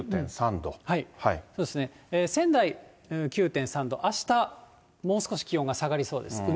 そうですね、仙台９．３度、あした、もう少し気温が下がりそうです。